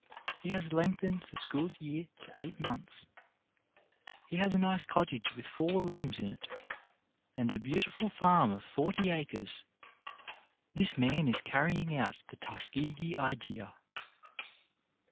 He has lengthened the school year to eight months. He has a nice cottage with four rooms in it, and a beautiful farm of forty acres. This man is carrying out the "Tuskegee idea."